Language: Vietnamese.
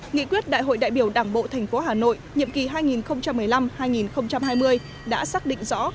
nghị quyết đại hội đại biểu đảng bộ tp hà nội nhiệm kỳ hai nghìn một mươi năm hai nghìn hai mươi đã xác định rõ